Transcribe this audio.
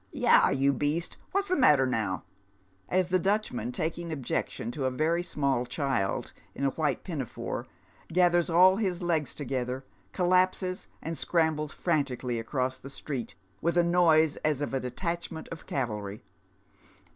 Yah, you beast, what's the matter now ?" as the Dutchman, taking objection to a very small child in a white pinafore, gathers all his legs together, collapses, and scrambles frantically across the street, with a noise as of a detachment of cavalry.